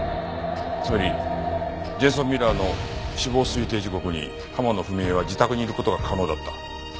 つまりジェイソン・ミラーの死亡推定時刻に浜野文恵は自宅にいる事が可能だった。